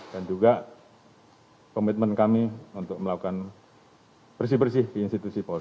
dan juga komitmen kami untuk melakukan bersih bersih di institusi polis